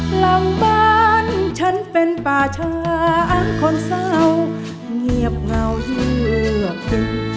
หลังบ้านฉันเป็นป่าช้าคนเศร้าเงียบเหงาเยือกตึง